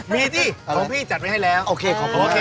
มีที่ของพี่จัดไว้ให้แล้วโอเคขอบคุณค่ะโอเค